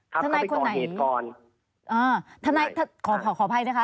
ถูกต้องแล้วแต่ทีครับเขาไปก่อเหตุกรณ์